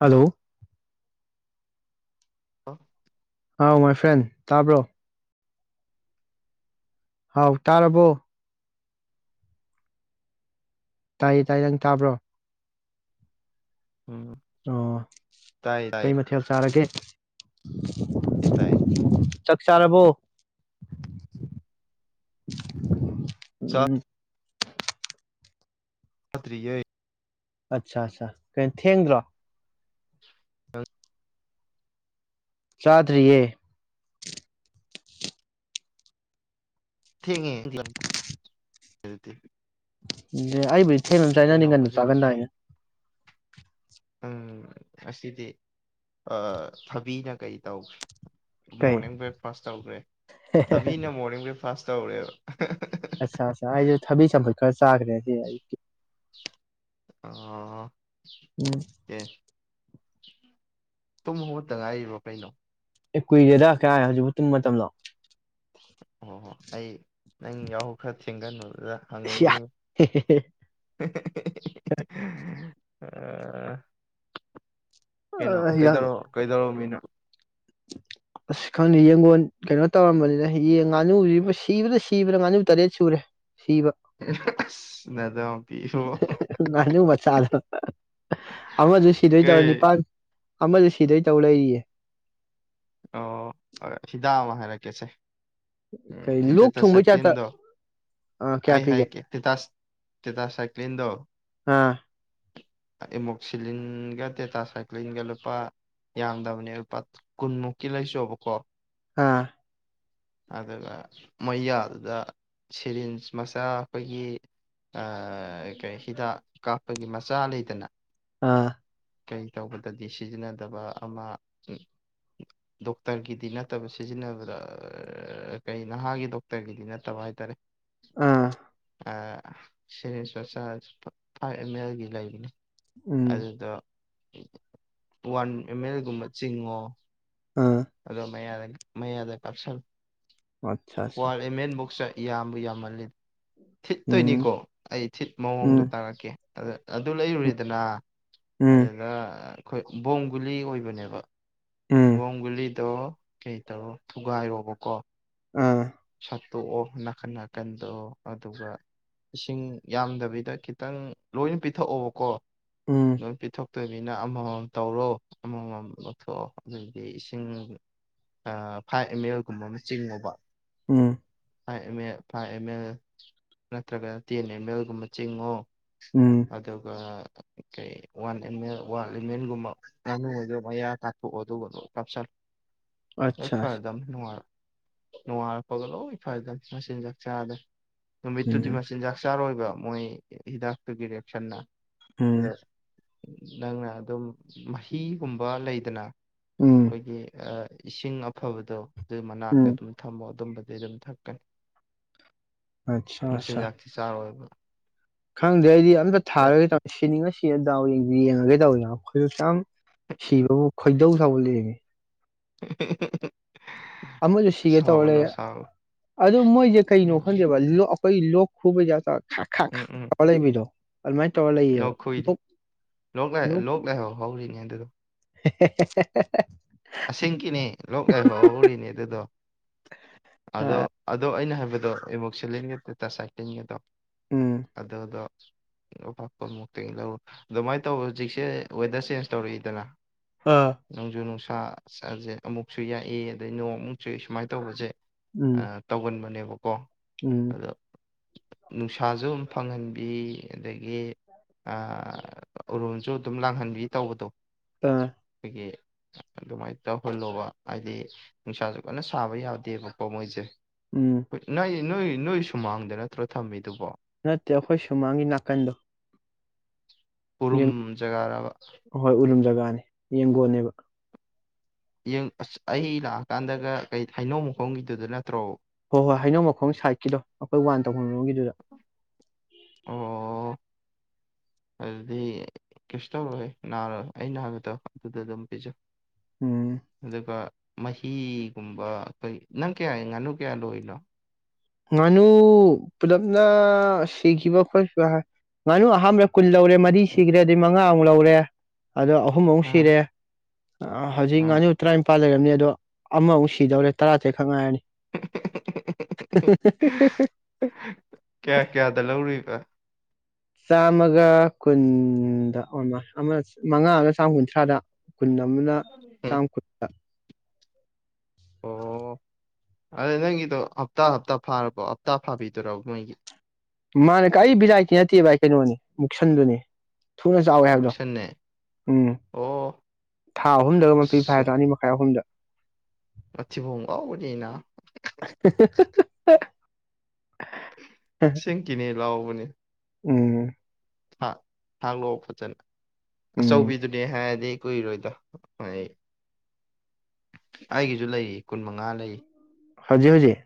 hello ꯑ ꯑꯥꯎ my friend ꯇꯥꯕ꯭ꯔꯣ ꯍꯥꯎ ꯇꯥꯔꯕꯣ ꯇꯥꯏꯌꯦ ꯇꯥꯏ ꯅꯪ ꯇꯥꯕ꯭ꯔꯣ ꯑꯣ ꯇꯥꯏꯌꯦ ꯀꯩ ꯃꯊꯦꯜ ꯆꯥꯔꯒꯦ ꯏ ꯇꯑ ꯆꯛꯆꯥꯥꯔꯔꯕꯣ ꯎꯝ ꯄꯇ꯭ꯔꯤꯩ ꯑꯠꯆꯥ ꯑꯠꯆꯥ ꯀꯩꯅꯣ ꯊꯦꯡꯗ꯭ꯔꯣ ꯑ ꯆꯥꯊꯔꯤꯌꯦ ꯊꯦꯡꯉ ꯑꯕ ꯊꯝ ꯆꯥꯏꯅ ꯅꯤꯡ ꯉꯟꯅ ꯍꯧꯖꯤꯛ ꯆꯥꯒꯟꯗꯥꯏꯅꯦ ꯎꯝ ꯑꯁꯤꯗꯤ ꯊꯕꯤꯅ ꯀꯩ ꯇꯧꯒꯦ ꯀꯩ ꯃꯣꯔꯅꯤꯡ ꯕ꯭ꯔꯦꯛꯐꯥꯁ ꯇꯧꯈ꯭ꯔꯦ ꯊꯕꯤꯅ ꯃꯣꯔꯅꯤꯡ ꯕ꯭ꯔꯦꯛꯐ ꯐꯥꯁꯇ ꯑꯣꯏꯔꯦ ꯑꯠꯆꯥ ꯑꯠꯆꯥꯥ ꯑꯩꯁꯨ ꯊꯕꯤ ꯆꯝꯐꯠ ꯈꯔ ꯆꯥꯈ꯭ꯔꯦ ꯑꯩ ꯑ ꯎꯝ ꯀ ꯇꯨꯝ ꯃꯨꯠꯇ ꯉꯥꯏꯔꯤꯕ ꯀꯩꯅꯣ ꯑꯦ ꯀꯨꯏꯔꯦꯗ ꯀꯌꯥ ꯍꯧꯖꯤꯛꯐꯥꯎ ꯇꯨꯝꯕ ꯃꯇꯝꯗꯣ ꯑꯣ ꯍꯣ ꯑꯩ ꯅꯪ ꯌꯥꯍꯧ ꯈꯔ ꯊꯦꯡꯒꯂꯕ ꯖꯥ ꯏꯌꯥ ꯍꯉꯤꯅꯤ ꯑ ꯀꯩꯅꯣ ꯀꯩꯗꯣ ꯀꯩꯗꯣ ꯃꯤꯅꯣ ꯑꯁ ꯈꯪꯗꯦ ꯌꯦꯡꯒꯣꯟ ꯀꯩꯅꯣ ꯇꯧꯔꯝꯕꯅꯤꯅ ꯉꯥꯅꯨꯁꯤꯕꯨ ꯁꯤꯕꯥ ꯁꯤꯕ꯭ꯔꯥ ꯉꯥꯅꯨ ꯇꯔꯦꯠ ꯁꯨꯔꯦ ꯁꯤꯕ ꯑꯁ ꯅꯗꯥꯎ ꯄꯤꯕꯨ ꯉꯥꯅꯨ ꯃꯆꯥꯗꯣ ꯑꯃꯁꯗꯨ ꯁꯤꯗꯣꯏ ꯇꯧꯔ ꯀꯩ ꯅꯤꯄꯥꯜ ꯑꯃꯁ ꯁꯤꯗꯩ ꯇꯧ ꯂꯩꯔꯤꯌꯦ ꯑꯣ ꯍꯤꯗꯥꯔ ꯀꯦꯁꯦ ꯀꯩ ꯎꯝ ꯇ ꯂꯣꯛ ꯇꯁ ꯊꯨꯡꯕꯩ ꯇꯥꯏꯞꯇ ꯇꯤꯟꯗꯣ ꯑꯥ ꯀꯌꯥ ꯑꯩ ꯍꯥꯏ ꯄꯤꯒꯦ ꯀꯦ ꯇ ꯇꯁ ꯀ ꯇ ꯁꯥꯏ ꯀꯂꯤꯟꯗꯣ ꯑꯥ ꯑꯦꯃꯣꯛꯁꯤꯂꯤꯟꯒ ꯇꯦꯇꯥ ꯁꯥꯏꯀ꯭ꯂꯤꯟꯒ ꯂꯨꯄꯥ ꯌꯥꯡꯗꯕꯅꯤ ꯂꯨꯄꯥ ꯀꯨꯟꯃꯨꯛꯀꯤ ꯂꯥꯏꯁꯨ ꯑꯕꯀꯣ ꯑꯥ ꯑꯗꯨꯒ ꯃꯩꯌꯥꯗꯨꯗ ꯁꯤꯔꯤꯟꯁ ꯃꯆꯥ ꯑꯩꯈꯣꯏꯒꯤ ꯀꯔꯤ ꯍꯤꯗꯥꯛ ꯀꯥꯞꯄꯒꯤ ꯃꯆꯥ ꯂꯩꯇꯅ ꯑꯥ ꯀꯩ ꯇꯧꯕꯗꯗꯤ ꯁꯤꯖꯤꯟꯅꯗꯕ ꯑꯃ ꯗꯣꯛꯇꯔꯒꯤꯗꯤ ꯅꯠꯇꯕ ꯁꯤꯖꯤꯟꯅꯕꯗ ꯀꯩ ꯅꯍꯥꯒꯤ ꯗꯣꯛꯇꯔꯒꯤꯗꯤ ꯅꯠꯇꯕ ꯍꯥꯏꯇꯥꯔꯦ ꯑꯥ ꯁꯦꯔꯤꯁ ꯃꯆꯥ ꯐꯥꯏꯚ ꯑꯦꯝ ꯑꯦꯜꯒꯤ ꯂꯩꯕꯅꯤ ꯎꯝ ꯑꯗꯨꯗ ꯋꯥꯟ ꯑꯦꯝ ꯑꯦꯜꯒꯨꯝꯕ ꯆꯤꯡꯉꯣ ꯑꯥ ꯑꯗꯣ ꯃꯌꯥꯗꯅꯤ ꯃꯌꯥ ꯌꯥꯗꯦ ꯄꯥꯁꯜ ꯑꯠꯆꯥ ꯑꯠꯆꯥ ꯋꯥꯔ ꯑꯦ ꯃꯦꯟ ꯃꯨꯛꯁꯥꯏ ꯌꯥꯝꯕꯨ ꯌꯥꯝꯃꯂꯦ ꯎꯝ ꯊꯤꯠꯇꯣꯏꯅꯤꯀꯣ ꯑꯩ ꯊꯤꯠ ꯃꯑꯣꯡꯗ ꯎꯝ ꯇꯥꯔꯛꯀꯦ ꯑꯗꯨ ꯂꯩꯔꯨꯔꯦꯗꯅ ꯎꯝ ꯑꯗꯨꯗ ꯑꯩꯈꯣꯏ ꯕꯣꯝ ꯒꯨꯂꯤ ꯑꯣꯏꯕꯅꯦꯕ ꯎꯝ ꯕꫭꯡꯒꯂꯤ ꯇꯣ ꯀꯩ ꯇꯧꯔꯣ ꯊꯨꯒꯥꯏꯔꯣꯕꯀꯣ ꯑꯥ ꯁꯠꯇꯣꯛꯑꯣ ꯅꯥꯀꯟ ꯅꯥꯀꯟꯗ ꯑꯗꯨꯒ ꯏꯁꯤꯡ ꯌꯥꯝꯗꯕꯤꯗ ꯈꯤꯇꯪ ꯂꯣꯏꯅ ꯄꯤꯊꯛꯑꯣꯕꯀꯣ ꯎꯝ ꯂꫭꯅ ꯄꯤꯊꯣꯛ ꯎꯠꯇꯣꯏꯅꯤꯅ ꯑꯃꯃꯝ ꯇꯧꯔꯣ ꯑꯃꯃꯝ ꯂꯧꯊꯣꯛꯑꯣ ꯑꯗꯨꯗꯤ ꯏꯁꯤꯡ ꯐꯥꯏꯚ ꯑꯦꯝ ꯑꯦꯜꯒꯨꯝꯕ ꯑꯃ ꯆꯤꯡꯉꯨꯕ ꯎꯝ ꯐꯥꯏꯚ ꯑꯦꯝ ꯑꯦ ꯐꯥꯏꯚ ꯑꯦꯝ ꯑꯦꯜ ꯅꯠꯇ꯭ꯔꯒ ꯇꯦꯟ ꯑꯦꯝ ꯑꯦꯜꯒꯨꯝꯕ ꯆꯤꯡꯉꯣ ꯎꯝ ꯑꯗꯨꯒ ꯀꯩ ꯋꯥꯟ ꯋꯥꯟꯃꯦꯟꯒꯨꯝꯕ ꯉꯥꯅꯨ ꯑꯣꯏꯗ ꯃꯌꯥ ꯇꯥꯛꯊꯣꯛꯑꯣ ꯑꯗꯨꯒꯅ ꯀꯥꯞꯁꯟ ꯍꯣꯏ ꯑꯠꯆꯥ ꯐꯔꯦꯗ ꯅꯨꯡꯉꯥꯏꯔ ꯅꯨꯡꯉꯥꯔꯛꯄꯒ ꯂꯣꯏ ꯐꯗꯅ ꯃꯆꯤꯟ ꯆꯥꯛ ꯆꯥꯗꯅ ꯃꯤꯠꯇꯨ ꯗꯤ ꯎꯝ ꯃꯁꯤꯟꯖꯥꯛ ꯆꯥꯔꫭꯏꯕ ꯃꯣꯏ ꯍꯤꯗꯥꯥꯛ ꯒꯤꯔꯤꯁꯟ ꯑꯝ ꯅꯪꯅ ꯑꯗꯨꯝ ꯃꯍꯤꯒꯨꯝꯕ ꯂꯩꯗꯅ ꯎꯝ ꯑꯩꯈꯣꯏꯒꯤ ꯑ ꯏꯁꯤꯡ ꯑꯐꯕꯗꯣ ꯑꯗꯨ ꯃꯅꯥꯛꯇ ꯎꯝ ꯑꯗꯨꯝ ꯊꯝꯃꯣ ꯑꯗꯨꯝꯕ ꯑꯗꯨ ꯑꯗꯨꯝ ꯊꯀꯅꯤ ꯑꯠꯆꯥ ꯃꯆꯤꯟꯖꯥꯥꯛꯗꯤ ꯆꯥꯔꯣꯏꯕ ꯈꯪꯗ꯭ꯔꯦ ꯑꯩꯗꯤ ꯑꯝꯇ ꯅ ꯊꯥꯔꯒꯗꯤ ꯁꯤꯅꯤꯡꯉꯁꯤ ꯁꯤꯗꯥꯎ ꯌꯦꯡ ꯌꯦꯡꯉꯒꯦ ꯇꯧꯋ ꯑꯩꯈꯣꯏꯁꯨꯁꯨ ꯌꯥꯝ ꯁꯤꯕꯕꯨ ꯈꯣꯏꯗꯧ ꯊꯧꯕ ꯂꯡꯉꯦ inaudible ꯑꯃꯁꯨ ꯁꯤꯒꯦ ꯇꯧꯔ ꯂꯩ ꯑꯗꯨ ꯃꯣꯏꯁꯦ ꯀꯩꯅꯣ ꯎꯝ ꯈꯪꯗꯦꯕ ꯀꯩ ꯂꯣꯛ ꯈꯨꯕꯩ ꯇꯥꯏꯞꯇ ꯈ ꯈꯥ ꯈ ꯎꯝ ꯎꯝ ꯇꯂꯩꯕꯤꯔꯣ ꯂꯣꯛ ꯈꯨꯨꯏꯔꯦ ꯂꯣꯛ ꯂ ꯂꯣꯛ ꯂꯥꯏꯍꯧ ꯍꯧꯔꯤꯅꯦ ꯑꯗꯨꯗꯣ ꯍꯦ ꯍꯦꯍꯦꯍꯦ ꯑꯁꯦꯡ ꯀꯤꯅꯤ ꯂꯣꯛ ꯂꯥꯏꯍꯧꯔꯤꯅꯤ ꯑꯗꯨꯗꯣ ꯑꯗꯣ ꯑ ꯑꯗꯣ ꯑꯩꯅ ꯍꯥꯏꯕ ꯑꯗꯣ ꯏꯃꯣꯁꯂꯗ ꯇꯥꯁꯥꯏꯇꯡꯒꯗꯣ ꯎꯝ ꯑꯗ ꯑꯗꯣ ꯑꯄꯥꯛꯄ ꯃꯨꯛꯇꯒꯤ ꯂꯧꯔ ꯑꯗꯨꯃꯥꯏꯅ ꯇꯧ ꯍꯧꯖꯤꯛꯁꯦ ꯋꯦꯗꯔ ꯆꯦꯟꯖ ꯇꯧꯔꯛꯏꯗꯅ ꯑꯥ ꯅꯪꯖꯨꯅꯅꯨꯡꯁꯥ ꯁꯥꯖ ꯑꯃꯨꯛꯁꯨ ꯌꯥꯏ ꯑꯗꯩ ꯅꯣꯡꯃꯨꯛꯁꯨꯨꯏ ꯁꯨꯃꯥꯏꯅ ꯇꯧꯕꯁꯦ ꯎꯝ ꯑ ꯇꯧꯒꯟꯕꯅꯦꯕ ꯀꯣ ꯎꯝ ꯑꯗ ꯅꯨꯡꯁꯥꯁꯨ ꯑꯗꯨꯝ ꯐꯪꯍꯟꯕꯤ ꯑꯗꯒꯤ ꯎꯔꯨꯝꯁꯨ ꯑꯗꯨꯝ ꯂꯥꯡꯍꯟꯕꯤ ꯇꯧꯕꯗꯣ ꯑꯥ ꯑꯩꯗꯒꯤ ꯑꯗꯨꯃꯥꯏꯅ ꯇꯧꯍꯜꯂꯣꯕ ꯍꯥꯏꯗꯤ ꯅꯨꯡꯁꯥꯁꯨ ꯀꯟꯅ ꯁꯥꯕ ꯌꯥꯗꯦꯕꯀꯣ ꯃꯣꯏꯁꯦ ꯎꯝ ꯅꯪꯒꯤꯁꯦ ꯅꯣꯏ ꯅꯣꯏ ꯁꯨꯃꯥꯡꯗ ꯅꯠꯇ꯭ꯔꯣ ꯊꯝꯃꯤꯗꯨꯕꯣ ꯅꯠꯇꯦ ꯑꯩꯈꯣꯏ ꯁꯨꯃꯥꯡꯒꯤ ꯅꯥꯀꯟꯗꯣ ꯎꯔꯨꯝ ꯌꯦꯡ ꯖꯒꯥꯔꯕ ꯍꯣꯏ ꯎꯔꯨꯝ ꯖꯒꯥꯅꯤ ꯌꯦꯡꯒꯣꯟꯅꯦꯕ ꯌꯦꯡ ꯑꯁ ꯑꯩ ꯂꯥꯛꯑꯀꯥꯟꯗꯒ ꯀꯩ ꯍꯩꯅꯧ ꯃꯈꯣꯡꯒꯤꯗꯨꯗ ꯅꯠꯇ꯭ꯔꯣ ꯍꯣꯏ ꯍꯣꯏ ꯍꯩꯅꯧ ꯃꯈꯣꯡ ꯁꯥꯏꯠꯀꯤꯗꯣ ꯑꯩꯈꯣꯏ ꯋꯥꯟ ꯇꯧ ꯃꯣꯏꯉꯒꯤꯗꯨꯗ ꯑꯣ ꯑꯗꯨꯗꯤ ꯀꯩꯁꯨ ꯇꯧꯔꯣꯏ ꯅꯥꯔꯣꯏ ꯑꯩ ꯅꯥꯒꯗ ꯑꯗꯨꯗ ꯑꯗꯨꯝ ꯄꯤꯖꯩ ꯎꯝ ꯑꯗꯨꯀ ꯃꯍꯤꯒꯨꯝꯕ ꯑꯩꯈꯣꯏ ꯅꯪ ꯀꯌꯥ ꯉꯥꯅꯨ ꯀꯌꯥ ꯂꯣꯏꯅꯣ ꯉꯥꯅꯨ ꯄꯨꯂꯞꯅ ꯁꯤꯈꯤꯕ ꯈꯣꯠꯈꯤꯕ ꯉꯥꯅꯨ ꯑꯍꯥꯟꯕ ꯀꯨꯟ ꯂꯧꯔꯦ ꯑ ꯁꯤꯈ꯭ꯔꯦ ꯑꯗꯨꯗꯤ ꯃꯉꯥꯃꯨꯛ ꯂꯧꯔꯦ ꯑꯗꯣ ꯑꯍꯨꯝ ꯃꯨꯛ ꯑꯥ ꯁꯤꯔꯦ ꯍꯧꯖꯤꯛ ꯑꯥ ꯉꯥꯅꯤꯨ ꯇꯔꯥꯅꯤꯄꯥꯜ ꯂꯩꯔꯦ ꯑꯗꯣ ꯑꯃꯃꯨꯛ ꯁꯤꯗꯧꯔꯦ ꯇꯔꯥ ꯇꯔꯦꯠꯈꯛ ꯉꯥꯏꯔꯅꯤ [unintelligible] ꯀꯌꯥ ꯀꯌꯥꯗ ꯂꯧꯔꯤꯕ ꯆꯥꯝꯃꯒ ꯀꯨꯟꯗ ꯑꯣ ꯑꯃ ꯑꯃ ꯃꯉꯥ ꯑꯃ ꯆꯥꯝꯃ ꯀꯨꯟꯊ꯭ꯔꯥꯗ ꯈꯨꯨꯟ ꯑꯃꯅ ꯎꯝ ꯆꯥꯝ ꯈꯨꯨꯠꯇ ꯑꯣ ꯑꯗꯨꯗ ꯅꯪꯒꯤꯗꯣ ꯍꯞꯇꯥ ꯍꯞꯇꯥ ꯐꯥꯔꯕꯣ ꯍꯞꯇꯥ ꯐꯥꯕꯤꯗꯣꯏꯣ ꯅꯣꯏꯒꯤ ꯃꯥꯅ ꯀ ꯑꯩ ꯕꯤꯂꯥꯏꯇꯤ ꯅꯠꯇꯦ ꯚꯥꯏ ꯀꯩꯅꯣꯅꯦ ꯃꯨꯛꯁꯟꯗꯨꯅꯦ ꯊꯨꯅ ꯆꯥꯎꯋꯦ ꯍꯥꯏꯕꯗꯣ ꯃꯨꯛꯁꯟꯅꯦ ꯎꯝ ꯑꯣ ꯊꯥ ꯑꯍꯨꯝꯗꯒ ꯃꯄꯤ ꯐꯥꯏꯗꯣ ꯑꯅꯤ ꯃꯈꯥꯏ ꯑꯍꯨꯝꯗ ꯃꯊꯤꯐꯣꯡꯂꯥꯎꯕ ꯅꯤꯅ ꯁꯤꯡꯀꯤꯅꯤ ꯂꯑꯣꯕꯅꯤ [unintelligible] ꯎꯝ ꯍꯥ ꯊꯥꯡ ꯂꯣ ꯐꯖꯅ ꯎꯝ ꯑꯆꯧꯕꯤꯗꯨꯅꯦ ꯍꯥꯏꯔꯗꯤ ꯀꯨꯏꯔꯣꯏꯗ ꯍ ꯑꯩꯒꯤꯁꯨ ꯂꯩꯔꯤ ꯀꯨꯟ ꯃꯉꯥ ꯂꯩꯔꯤ ꯍꯧꯖꯤꯛ ꯍꯧꯖꯤꯛ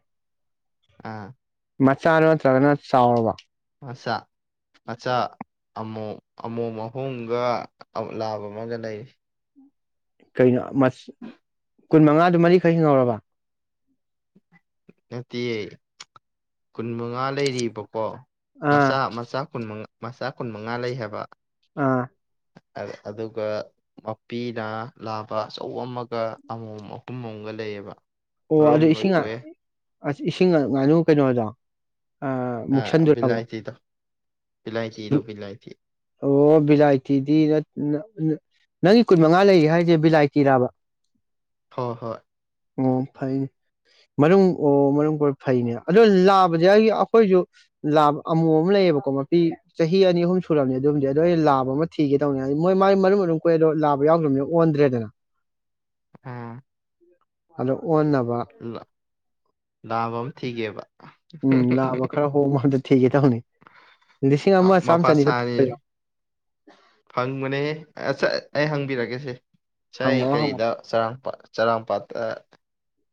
ꯑꯥ ꯃꯆꯥ ꯅꯠꯇ꯭ꯔꯒꯅ ꯆꯥꯎꯔꯕ ꯃꯆꯥ ꯃꯆꯥ ꯑꯃꯣ ꯑꯃꯣ ꯑꯍꯨꯝꯒ ꯂꯥꯕ ꯑꯃꯒ ꯂꯩꯔꯤ ꯀꯩꯅꯣ ꯀꯨꯟ ꯃꯉꯥꯗꯨ ꯃꯔꯤꯈꯛ ꯍꯤꯡꯍꯧꯔꯕ ꯅꯠꯇꯦꯌꯦ ꯀꯨꯟ ꯃꯉꯥ ꯂꯩꯔꯤꯕꯀꯣ ꯑꯥ ꯃꯆꯥ ꯃꯆꯥ ꯀꯨꯟ ꯃꯉꯥ ꯃꯆꯥ ꯀꯨꯟ ꯃꯉꯥ ꯂꯩ ꯍꯥꯏꯕ ꯑꯥ ꯑꯗꯨꯒ ꯃꯄꯤꯅ ꯂꯥꯕ ꯑꯆꯧ ꯑꯃꯒ ꯑꯃꯃꯝ ꯑꯍꯨꯝ ꯑꯃꯝꯒ ꯂꯩꯌꯦꯕ ꯃꯔꯨꯝ ꯂꯣꯏ ꯀꯣꯏꯑꯦ ꯑꯁ ꯏꯁꯤꯡ ꯉꯥꯅꯨ ꯀꯩꯅꯣꯗ ꯑ ꯑ ꯃꯨꯛꯁꯟꯗꯣꯔ ꯕꯤꯂꯥꯏꯇꯤꯗꯣ ꯕꯤꯂꯥꯏꯇꯤꯗꯣ ꯕꯤꯂꯥꯏꯇꯤ ꯑꯣ ꯕꯤꯂꯥꯏꯇꯤꯗꯤ ꯅꯪꯒꯤ ꯀꯨꯟ ꯃꯉꯥ ꯂꯩꯒ ꯍꯥꯏꯔꯤꯁꯦ ꯕꯤꯂꯥꯏꯇꯥꯔꯥꯕ ꯍꯣꯏ ꯍꯣꯏ ꯑꯣ ꯐꯩꯅꯤ ꯃꯔꯨꯝ ꯑꯣ ꯃꯔꯨꯝ ꯀꯣꯏꯏ ꯐꯩꯅꯦ ꯑꯗꯣ ꯂꯥꯕꯁꯦ ꯑꯩꯗꯤ ꯑꯩꯈꯣꯏꯁꯨ ꯂꯥꯕ ꯑꯃꯨ ꯑꯃ ꯂꯩꯌꯦꯕꯀꯣ ꯃꯄꯤ ꯆꯍꯤ ꯑꯅꯤ ꯑꯍꯨꯝ ꯁꯨꯔꯕꯅꯦ ꯑꯗꯨꯝꯗꯤ ꯑꯗꯣ ꯑꯩꯅ ꯂꯥꯕ ꯑꯃ ꯊꯤꯒꯦ ꯇꯧꯅꯤ ꯃꯣꯏ ꯃꯒꯤ ꯃꯔꯨꯝ ꯑꯗꯨꯨꯝ ꯀꯨꯏ ꯑꯗꯣ ꯂꯥꯕ ꯌꯥꯎꯗ꯭ꯔꯕꯅꯤꯅ ꯑꯣꯟꯗ꯭ꯔꯦꯗꯅ ꯑ ꯍꯜꯂꯣ ꯑꯣꯟꯅꯕ ꯂꯥꯕ ꯑꯃ ꯊꯤꯒꯦꯕ ꯎꯝ ꯂꯥꯛꯑꯕ ꯈꯔ ꯍꯣꯡꯕꯝꯗ ꯊꯤꯒꯦ ꯇꯕꯅꯤ ꯂꯤꯁꯤꯡ ꯑꯃ ꯆꯥꯝꯃ ꯃꯄꯥ ꯁꯥꯅꯤ ꯆꯅꯤꯗꯔ ꯑ ꯑꯩ ꯍꯪꯕꯤꯔꯒꯦ ꯁꯦ ꯁ ꯍꯪꯉꯛꯑꯣ ꯍꯪꯉꯛꯑꯣ ꯀꯔꯤꯗ ꯁꯔ ꯆꯔꯥꯄꯥꯥꯠꯇ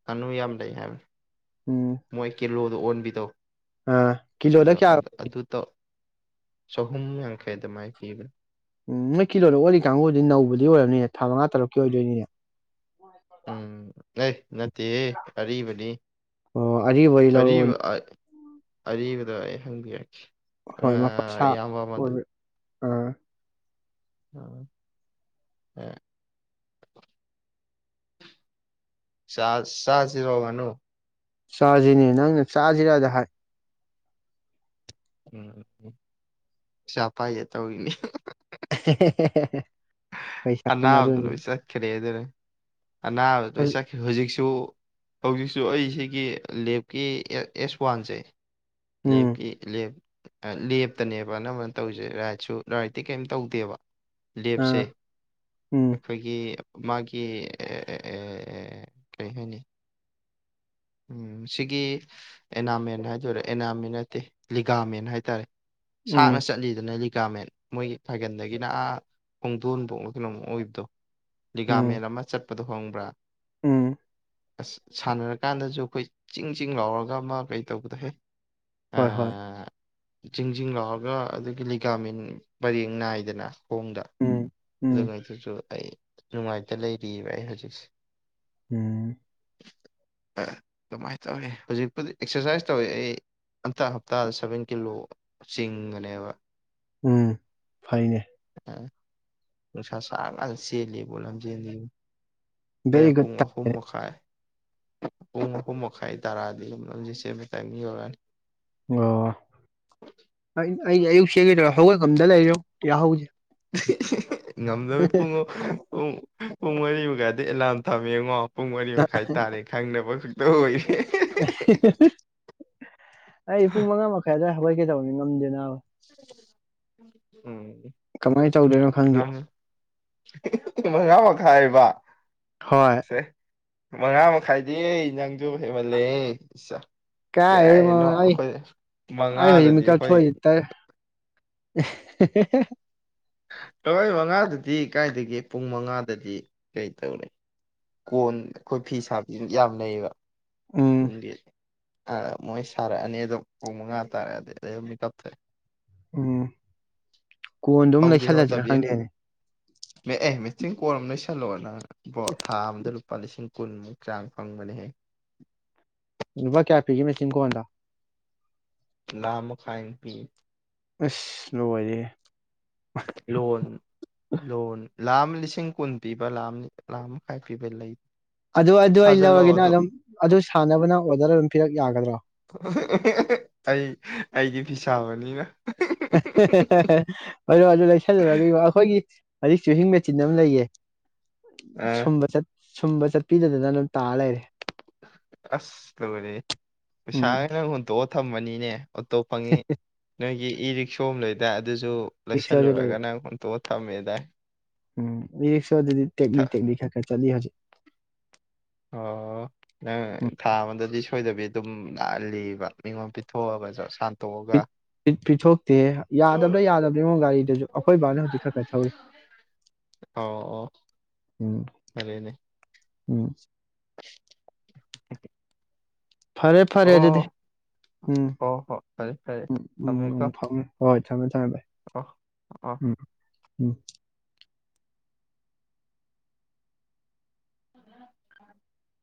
ꯉꯥꯅꯨ ꯌꯥꯝ ꯂꯩ ꯍꯥꯏꯕꯅꯤ ꯎꯝ ꯃꯣꯏ ꯀꯩꯅꯣ ꯑ ꯑꯣꯟꯕꯤ ꯇꯧ ꯑꯥ ꯀꯤꯂꯣꯗ ꯑꯗꯣ ꯑ ꯀꯌꯥ ꯑꯗꯨ ꯑꯗꯨ ꯇꯣ ꯆꯍꯨꯝ ꯌꯥꯡꯈꯩꯗ ꯃꯥꯏ ꯄꯤꯕ ꯎꯝ ꯃꯣꯏ ꯀꯤꯂꯣꯗ ꯑꯣꯏ ꯀꯥꯡꯕꯨꯗꯤ ꯅꯧꯕꯗꯤ ꯑꯣꯏꯔꯕꯅꯤꯅꯦ ꯊꯥ ꯃꯉꯥ ꯇꯔꯨꯛꯀꯤ ꯑꯣꯏꯗꯣꯏꯅꯤꯅꯦ ꯎꯝ ꯑꯦ ꯅꯠꯇꯦꯍꯦ ꯑꯔꯤꯕꯅꯤ ꯑꯣ ꯑꯔꯤꯕ ꯑꯣꯏꯗꯤ ꯂꯧꯔꯛꯑꯣꯅꯦ ꯑꯔꯤꯕ ꯑꯔꯤꯕꯗꯣ ꯑꯩ ꯍꯪꯕꯤꯔꯛꯀꯦ ꯍꯣꯏ ꯑꯥ ꯃꯈꯣꯏꯁꯥ ꯏꯌꯥꯝꯕ [unintelligible] ꯑꯃꯗ ꯑꯣꯏ ꯑꯥ ꯑ ꯑ [unintelligible] ꯁꯥꯁꯤ ꯋꯥ ꯋꯥꯅꯣ ꯆꯥꯁꯤꯅꯦ ꯅꯪꯅ ꯆꯥꯁꯤꯔꯗ ꯍꯥꯏ ꯎꯝ ꯆꯥꯄ ꯌꯥ ꯇꯅꯦ inaudible ꯑꯅꯥꯕꯗꯨ ꯂꯣꯏ ꯆꯠꯈ꯭ꯔꯦ ꯑꯗꯨꯅ ꯑꯅꯥꯕꯗ ꯂꯣꯏ ꯍꯧꯖꯤꯛ ꯆꯠꯈ꯭ꯔꯦ ꯍꯧꯖꯤꯛꯁꯨ ꯍꯧꯖꯤꯛꯁꯨ ꯑꯩꯁꯤꯒꯤ ꯂꯦꯞꯀꯤ ꯑꯦꯁ ꯋꯥꯟꯁꯦ ꯎꯝ ꯂꯞꯀꯤꯞ ꯂꯦꯞꯇꯅꯦꯕ ꯑꯅꯝꯕꯅ ꯇꯧꯔꯤꯁꯦ ꯔꯥꯏꯠꯁꯨ ꯔꯥꯏꯠꯇꯇꯤ ꯀꯩꯝ ꯇꯧꯗꯦꯕ ꯂꯦꯞꯁꯦ ꯑꯥ ꯎꯝ ꯑꯩꯒꯤ ꯃꯥꯒꯤ ꯀꯔꯤ ꯍꯥꯏꯅꯤ ꯎꯝ ꯁꯤꯒꯤ ꯑꯦꯅꯥꯃꯦꯟ ꯍꯥꯏꯗꯔꯦ ꯑꯦꯅꯥꯃꯦꯟ ꯅꯠꯇꯦ ꯂꯤꯒꯥꯃꯦꯟ ꯍꯥꯏꯇꯥꯔꯦ ꯁꯅ ꯎꯝ ꯆꯠꯂꯤꯗꯅ ꯒꯥꯃꯦꯟ ꯃꯣꯏꯒꯤ ꯊꯥꯏꯒꯜꯗꯒꯤꯅ ꯑꯥ ꯈꯣꯡꯗꯣꯟꯕꯣꯛ ꯗ ꯂꯤꯒꯥꯥ ꯎꯝ ꯃꯦꯔ ꯑꯃ ꯆꯠꯄ ꯆꯄꯗꯣ ꯍꯣꯡꯕ꯭ꯔꯥ ꯎꯝ ꯑꯁ ꯁꯥꯟꯅꯔꯀꯥꯟꯗꯁꯨ ꯑꯩꯈꯣꯏ ꯆꯤꯡ ꯆꯤꯡ ꯂꯥꯎꯔꯒ ꯃꯥ ꯀꯩ ꯇꯧꯕꯗꯍꯦ ꯍꯣꯏ ꯍꯣꯏ ꯆꯤꯡꯖꯤꯡ ꯂꯥꯎꯔꯒ ꯑꯗꯨꯗꯒꯤ ꯂꯤꯒꯥꯃꯤꯟ ꯄꯔꯦꯡ ꯅꯥꯏꯗꯅ ꯍꯣꯡꯗ ꯎꯝ ꯎꯝ ꯑꯗꯨꯉꯥꯏꯗꫭ ꯑꯩ ꯅꯨꯡꯉꯥꯏꯇ ꯂꯩꯔꯤꯕ ꯕꯥꯏ ꯉꯁꯤꯁꯦ ꯎꯝ ꯑꯗꯨꯃꯥꯏꯅ ꯇꯧꯋꯤ ꯍꯧꯖꯤꯛꯄꯨꯗꯤ ꯑꯦꯛꯁꯔꯁꯥꯏꯁ ꯇꯧꯋꯤ ꯑꯩ ꯑꯝꯇꯥ ꯍꯞꯇꯥꯗ ꯁꯚꯦꯟ ꯀꯤꯂꯣ ꯆꯤꯡꯒꯅꯦꯕ ꯎꯝ ꯐꯥꯏꯅꯦ ꯅꯨꯁꯥ ꯁꯥꯔꯀꯟ ꯆꯜꯂꯤꯕꯣ ꯂꯝꯖꯦꯜ ꯆꯦꯕꯕꯨ ꯚꯦꯔꯤ ꯍꯨꯔꯦꯟ ꯄꯨꯡ ꯒꯨꯗ ꯑꯍꯨꯝ ꯃꯈꯥꯏ ꯄꯨꯡ ꯑꯄꯨꯝ ꯃꯈꯥꯏ ꯇꯔꯥꯗꯤ ꯑꯗꯨ ꯂꯧꯖꯩ ꯁꯦꯝꯃꯦ ꯇꯥꯏꯃꯤ ꯑꯣꯏꯔꯅꯤ ꯑꯣ ꯑ ꯑꯌ ꯀꯦ ꯀꯩꯗꯧꯔꯣ ꯍꯧꯒꯠ ꯉꯝꯗ ꯂꯩꯔꯣ ꯀꯌꯥ ꯍꯧꯁꯦ ꯉꯝꯗꯃꯤ ꯄꯨꯡ ꯄꯨꯡ ꯄꯨꯡ ꯃꯔꯤꯃꯨꯛ ꯀꯥꯏ ꯑꯗꯨ ꯑꯦꯂꯥꯟ ꯊꯝꯃꯦ ꯌꯦꯡꯉꯣ ꯄꯨꯡ ꯃꯔꯤ ꯃꯈꯥꯏ ꯇꯥꯔꯦ ꯈꯪꯅꯕ ꯛꯇ ꯑꯣꯏꯣꯏ ꯑꯩ ꯄꯨꯡ ꯃꯉꯥ ꯃꯈꯥꯏꯗ ꯍꯧꯒꯠꯀꯦ ꯇꯧꯕꯅꯤ ꯉꯝꯗꯦꯗ ꯏꯇꯥꯎ [unintelligible] ꯀꯃꯥꯏꯅ ꯇꯧꯗꯣꯏꯅꯣ ꯈꯪꯗꯦ ꯉꯝ [unintelligible] ꯈꯥꯏꯕ ꯍꯣꯏ ꯃꯉꯥ ꯃꯈꯥꯏꯗꯤ ꯅꯪꯖꯨ ꯍꯦꯟꯃꯟꯂꯦꯍꯦ ꯀꯔꯥꯏꯗꯩꯅꯣ ꯑꯩ ꯑꯩ ꯍꯧꯖꯤꯛ ꯃꯉꯥꯗꯗꯤ ꯃꯤꯀꯞ ꯑꯩꯈꯣꯏ ꯊꯣꯛꯏꯁꯤ ꯇꯔꯦꯛ [inaudible] ꯀꯋꯥꯏ ꯃꯉꯥꯗꯨꯗꯤ ꯀꯥꯏꯗꯒꯤ ꯄꯨꯡ ꯃꯉꯥꯗꯗꯤ ꯀꯩꯇꯧꯔꯦ ꯀꯣꯟ ꯑꯩꯈꯣꯏ ꯐꯤ ꯁꯥꯕ ꯌꯥꯝ ꯂꯩꯌꯦꯕ ꯎꯝ [unintelligible] ꯑ ꯃꯣꯏ ꯁꯔꯛ ꯑꯅꯤ ꯑꯗꯨꯝ ꯄꯨꯡ ꯃꯉꯥ ꯇꯥꯔꯦꯑꯗꯤ ꯑꯗ ꯃꯤꯀꯞ [unintelligible] ꯎꯝ ꯀꯣꯟꯗꯣ ꯑꯗꯨꯝ ꯂꯩꯁꯜꯂꯁꯤꯅ ꯈꯪꯗꯦꯅꯦ ꯃ ꯑꯦ ꯃꯦ ꯆꯤꯡ ꯀꯤꯟ ꯑꯃ ꯂꯩꯁꯜꯂꯣꯑꯣ ꯅ ꯏꯕꯣ ꯊꯥ ꯑꯃꯗ ꯂꯨ ꯂꯨꯄꯥ ꯂꯤꯁꯤꯡ ꯀꯨꯟꯃꯨꯛ ꯆꯥꯡ ꯐꯪꯕꯅꯤꯍ ꯂꯨꯄꯥ ꯀꯌꯥ ꯄꯤꯒꯦ ꯃꯦꯆꯤꯟ ꯀꯣꯟ ꯗꯣ ꯂꯥꯏ ꯑꯃꯈꯥꯏ ꯃꯨꯛ ꯄꯤ ꯑꯁ ꯂꯣꯏꯔꯦꯍꯦ ꯂꯣꯟ ꯂꯣꯟ ꯂꯥꯈ ꯑꯃ ꯂꯤꯁꯤꯡ ꯀꯨꯟ ꯄꯤꯕ ꯂꯥ ꯂꯥꯈ ꯃꯈꯥꯏ ꯄꯤꯕ ꯂꯩ ꯑꯗꯨ ꯑꯗꯨ ꯑꯩ ꯁꯥꯖꯜꯂꯣ ꯂꯧꯔꯒꯦꯅ ꯑꯗꯣ ꯑꯗꯨꯝ ꯑꯗꯨ ꯁꯥꯟꯅꯕꯅ ꯑꯣꯔꯗꯔ ꯄꯤꯔꯛ ꯌꯥꯒꯗ꯭ꯔꯥ ꯑꯩ ꯑꯩꯒꯤ ꯐꯤꯁꯥꯕꯅꯤꯅ ꯍꯣ ꯑꯗꯨ ꯂꯩꯁꯜꯂꯨꯔꯒ ꯑꯩꯈꯣꯏꯒꯤ ꯑꯩꯆ ꯆꯨꯍꯤꯡ ꯃꯦꯆꯤꯟ ꯑꯃ ꯂꯩꯌꯦ ꯑ ꯁꯨꯝꯕ ꯆꯠ ꯁꯨꯝꯕ ꯆꯠꯄꯤꯗꯗꯅ ꯑꯗꯨꯝ ꯇꯥꯔ ꯂꯩꯔꯦ ꯑꯁ ꯂꯣꯏꯔꯦꯍꯦ ꯎꯝ ꯄꯩꯁꯥꯅ ꯍꯨꯟꯇꯣꯛꯑ ꯊꯝꯃꯅꯤꯅꯦ ꯑꯇꯣꯞ ꯐꯪꯉꯤ ꯅꯣꯏꯒꯤ ꯏ ꯔꯤꯛꯁꯣ ꯑꯃ ꯂꯩꯗꯥꯏ ꯑꯗꯨꯁꯨ ꯔꯤꯛꯁꯣꯁꯨ ꯂꯩ ꯂꯩꯁꯜꯂꯨꯔꯒ ꯅꯪ ꯍꯨꯟꯇꯣꯛ ꯊꯝꯃꯦꯗꯥꯏ ꯎꯝ ꯏꯔꯤꯛꯁꯣ ꯗꯨꯗꯤ ꯊ ꯇꯦꯛꯂꯤ ꯇꯦꯛꯂꯤ ꯈꯔ ꯈꯔ ꯆꯠꯂꯤ ꯍꯧꯖꯤꯛ ꯑꯣ ꯅꯪ ꯎꯝ ꯊꯥ ꯑꯃꯗꯗꯤ ꯁꯣꯏꯗꯕꯤ ꯑꯗꯨꯝ ꯅꯥ ꯂꯤꯕ ꯃꯤꯉꯣꯟ ꯄꯤꯊꯣꯛꯑꯒꯁꯨ ꯁꯥꯟ ꯄꯤꯊꯣꯛꯇꯦ ꯌꯥꯗꯕꯗ ꯌꯥꯗꯕꯗ ꯒꯔꯤꯗꯨꯁꯨ ꯑꯩꯈꯣꯏ ꯕꯥꯅ ꯍꯧꯖꯤꯛ ꯈꯔ ꯈꯔ ꯊꯧꯔꯤ ꯑꯣ ꯑꯣ ꯐꯔꯦꯅꯦ ꯎꯝ ꯎꯝ [unintelligible] ꯐꯔꯦ ꯐꯔꯦ ꯑꯗꯨꯗꯤ ꯑꯣ ꯎꯝ ꯍꯣ ꯍꯣ ꯐꯔꯦ ꯎꯝ ꯎꯝ ꯎꯝ ꯐꯝꯃꯦ [unintelligible] ꯍꯣꯏ ꯊꯝꯃꯦ ꯊꯝꯃꯦ ꯚꯥꯏ ꯑ ꯑ ꯎꯝ [unintelligible] [unintelligible]